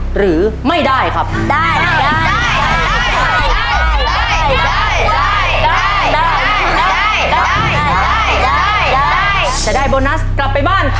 หนึ่งบ้าน